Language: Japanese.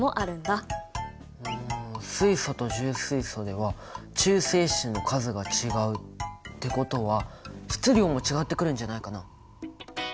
うん水素と重水素では中性子の数が違うってことは質量も違ってくるんじゃないかな？